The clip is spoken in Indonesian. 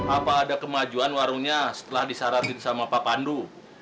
apa ada kemajuan warungnya setelah disyaratin sama pak pandu